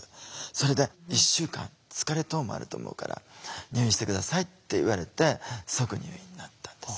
それで「１週間疲れ等もあると思うから入院して下さい」って言われて即入院になったんです。